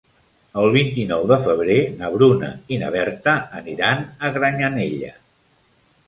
El vint-i-nou de febrer na Bruna i na Berta aniran a Granyanella.